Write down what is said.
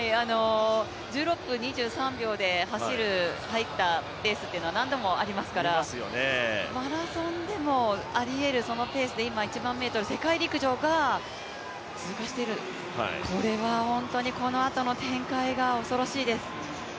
１６分２３秒で入ったレースというのは何度もありますから、マラソンでもあり得る、そのペースで今１００００ｍ、世界陸上が通過している、これは本当にこのあとの展開が恐ろしいです。